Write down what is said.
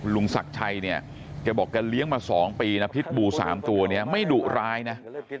ลุงศักดิ์ชัยเนี่ยแกบอกแกเลี้ยงมา๒ปีนะพิษบู๓ตัวเนี่ยไม่ดุร้ายนะ